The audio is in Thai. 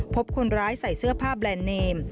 พบคนร้ายใส่เสื้อผ้าแบรนด์เนม